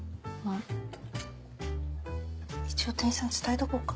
一応店員さんに伝えとこっか？